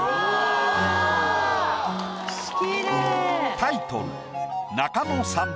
タイトル